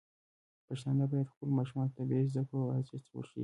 پښتانه بايد خپلو ماشومانو ته د طبي زده کړو ارزښت وښيي.